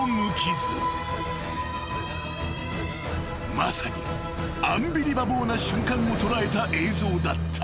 ［まさにアンビリバボーな瞬間を捉えた映像だった］